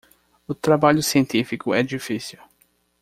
O trabalho científico é difícil.